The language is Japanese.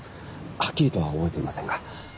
はっきりとは覚えていませんが。